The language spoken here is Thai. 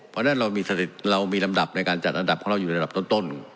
เพราะฉะนั้นเรามีสถิติเรามีลำดับในการจัดลำดับของเราอยู่ในลำดับต้น